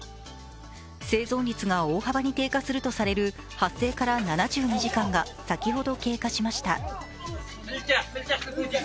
生存率が大幅に低下するとされる発生から７２時間が先ほど経過しました。